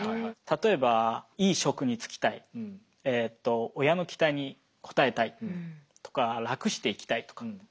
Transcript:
例えばいい職に就きたい親の期待に応えたいとか楽して生きたいとか。